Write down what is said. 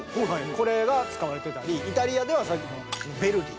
これが使われてたりイタリアではさっきのヴェルディ。